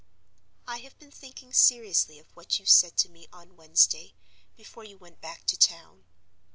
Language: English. "I have been thinking seriously of what you said to me on Wednesday, before you went back to town.